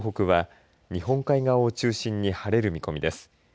九州の北部から東北は日本海側を中心に晴れる見込みです。